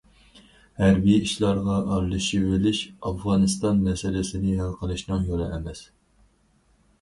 ھەربىي ئىشلارغا ئارىلىشىۋېلىش ئافغانىستان مەسىلىسىنى ھەل قىلىشنىڭ يولى ئەمەس.